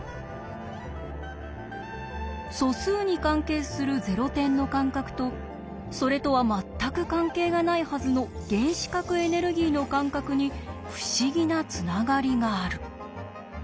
素数に関係するゼロ点の間隔とそれとは全く関係がないはずの原子核エネルギーの間隔に不思議なつながりがある。